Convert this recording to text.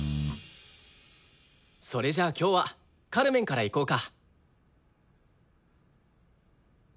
それじゃあ今日は「カルメン」からいこうか。